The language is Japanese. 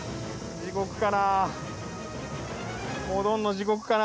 地獄かな？